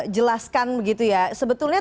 jelaskan begitu ya sebetulnya